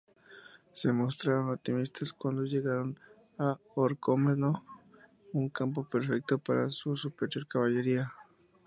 Se mostraron optimistas cuando llegaron a Orcómeno, un campo perfecto para su superior caballería.